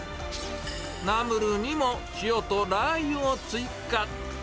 ナムルにも塩とラー油を追加。